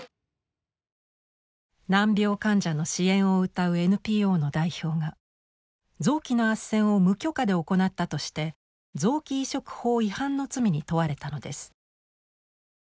難病患者の支援をうたうＮＰＯの代表が臓器のあっせんを無許可で行ったとして臓器移植法違反の罪に問われたのです。